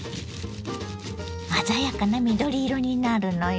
鮮やかな緑色になるのよ。